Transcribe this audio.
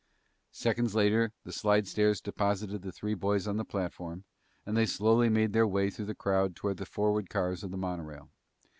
Seconds later, the slidestairs deposited the three boys on the platform and they slowly made their way through the crowd toward the forward cars of the monorail.